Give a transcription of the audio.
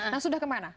nah sudah kemana